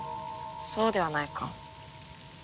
そうではないか？